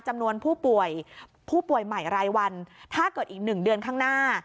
จำนวนผู้ป่วยผู้ป่วยใหม่รายวันถ้าเกิดอีก๑เดือนข้างหน้า